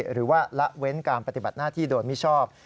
หรือว่าละเว้นการปฏิบัติหน้าที่โดยมิชอบ